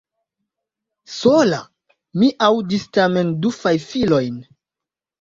Sola!? Mi aŭdis tamen du fajfilojn.